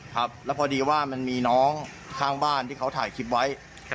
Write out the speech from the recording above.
ครับแล้วพอดีว่ามันมีน้องข้างบ้านที่เขาถ่ายคลิปไว้